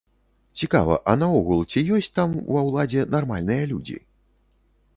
Цікава, а наогул ці ёсць там, ва ўладзе, нармальныя людзі?